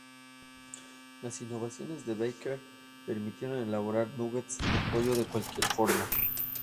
Las innovaciones de Baker permitieron elaborar "nuggets" de pollo de cualquier forma.